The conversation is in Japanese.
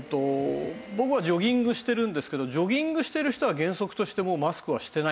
僕はジョギングしてるんですけどジョギングしてる人は原則としてマスクはしてないんですね